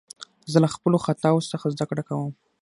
زه له خپلو خطاوو څخه زدکړه کوم.